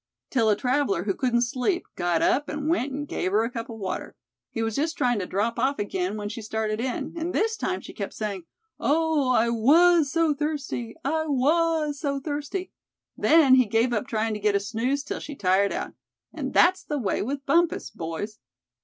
till a traveler, who couldn't sleep, got up, and went and gave her a cup of water. He was just tryin' to drop off again when she started in, and this time she kept sayin', 'Oh! I was so thirsty! I was so thirsty!' Then he gave up tryin' to get a snooze till she tired out. And that's the way with Bumpus, boys."